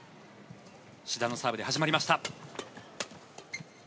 志田のサーブで始まりました。